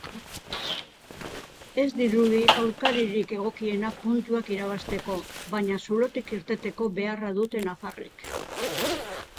Ez dirudi aurkaririk egokiena puntuak irabazteko, baina zulotik irteteko beharra dute nafarrek.